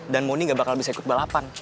dan mondi gak bakal bisa ikut balapan